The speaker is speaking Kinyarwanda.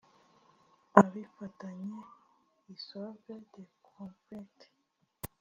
abafitanye resolve the conflict